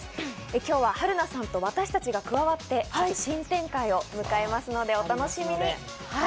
今日は春菜さんと私たちが加わって、新展開を迎えますのでお楽しみに。